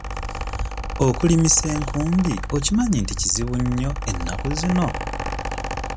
Okulimisa enkumbi okimanyi nti kizibu nnyo ennaku zino?